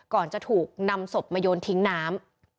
ก่อนจะถูกนำศพมาโยนทิ้งน้ำ